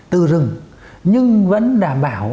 từ rừng nhưng vẫn đảm bảo